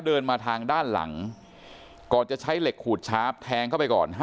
เดินมาทางด้านหลังก่อนจะใช้เหล็กขูดชาร์ฟแทงเข้าไปก่อน